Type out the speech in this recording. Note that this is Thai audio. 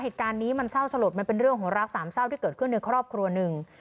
เหตุการณ์นี้มันเศร้าสลดมันเป็นเรื่องของรักสามเศร้าที่เกิดขึ้นในครอบครัวหนึ่ง